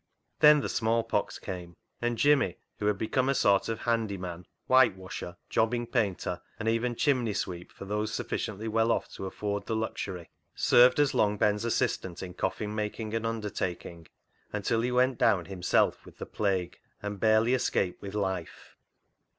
Then the smallpox came, and Jimmy, who had become a sort of handy man — white washer, jobbing painter, and even chimney sweep for those sufficiently well off to afford the luxury — serv^ed as Long Ben's assistant in coffin making and undertaking until he "HANGING HIS HAT UP" 75 went down himself with the plague, and barely escaped with life.